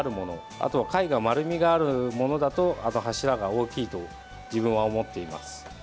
あとは貝が丸みがあるものだと柱が大きいと自分は思っています。